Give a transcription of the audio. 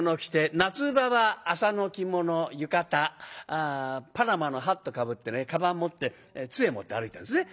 夏場は麻の着物浴衣パナマのハットかぶってねかばん持って杖持って歩いてるんですね。